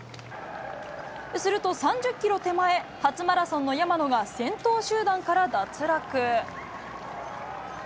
すると、３０キロ手前、初マラソンの山野が先頭集団から脱落。